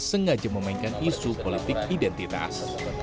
sengaja memainkan isu politik identitas